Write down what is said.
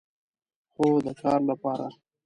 هو، د کار لپاره